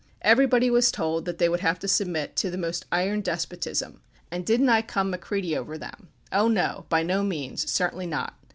Everybody was told that they would have to submit to the most iron despotism, and didn't I come Macready over them? Oh no, by no means; certainly not.